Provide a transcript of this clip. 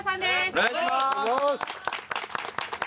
お願いします。